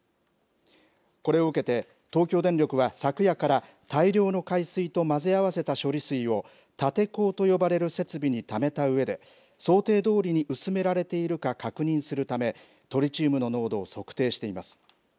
これを受けて、東京電力は昨夜から、大量の海水と混ぜ合わせた処理水を、立て坑と呼ばれる設備にためたうえで、想定どおりに薄められているか確認するため、トリチウムの濃度を測定しています。